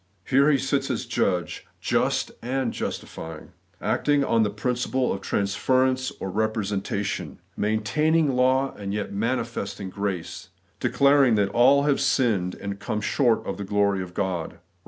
There He sits as judge, ' just and justifying ;' acting on the principle of transference or representation ; maintaining law, and yet mani festing grace : declaring that ' all have sinned and come short of the glory of God' (Eom.